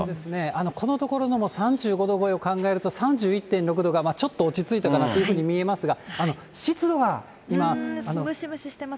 このところの３５度超えを考えると、３１．６度がちょっと落ち着いたかなというふうに見えますが、湿ムシムシしてます。